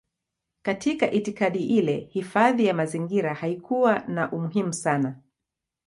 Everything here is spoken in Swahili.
Katika itikadi ile hifadhi ya mazingira haikuwa na umuhimu sana.